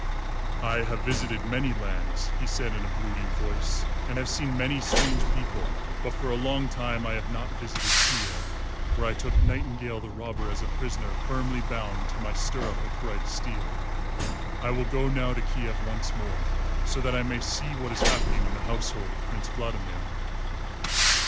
"I have visited many lands," he said in a brooding voice, "and have seen many strange people, but for a long time I have not visited Kiev, where I took Nightingale the Robber as a prisoner firmly bound to my stirrup of bright steel. I will go now to Kiev once more, so that I may see what is happening in the household of Prince Vladimir."